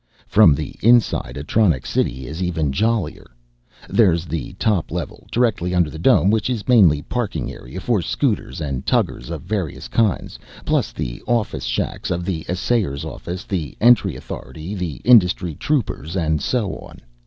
From the inside, Atronics City is even jollier. There's the top level, directly under the dome, which is mainly parking area for scooters and tuggers of various kinds, plus the office shacks of the Assayer's Office, the Entry Authority, the Industry Troopers and so on.